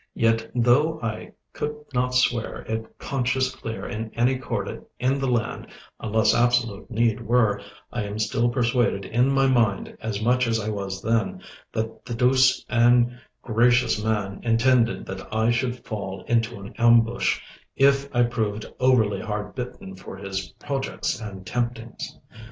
Yet though I could not swear it conscience clear in any court in the land (unless absolute need were), I am still persuaded in my mind, as much as I was then, that the douce and gracious man intended that I should fall into an ambush, if I proved overly hard bitten for his projects and temptings.